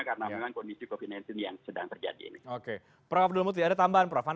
karena memang kondisi covid sembilan belas yang sedang terjadi